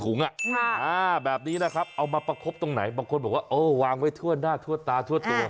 แบบนี้นะครับเอามาประคบตรงไหนบางคนบอกว่าเออวางไว้ทั่วหน้าทั่วตาทั่วตัว